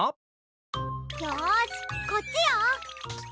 よしこっちよ！